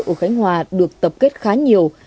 ở khánh hòa được tập kết khá nhiều